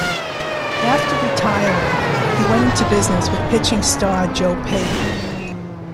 After retiring, he went into business with pitching star Joe Pate.